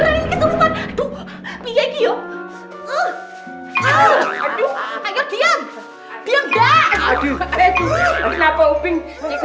aduh aduh agak diam dia enggak aduh kenapa uping